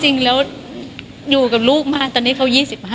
จริงแล้วอยู่กับลูกมากตอนนี้เขา๒๕